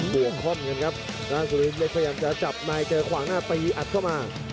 วกค่อมกันครับด้านสุรินเล็กพยายามจะจับในเจอขวางหน้าตีอัดเข้ามา